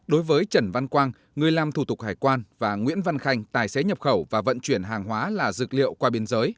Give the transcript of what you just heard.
đối với trần văn quang người làm thủ tục hải quan và nguyễn văn khanh tài xế nhập khẩu và vận chuyển hàng hóa là dược liệu qua biên giới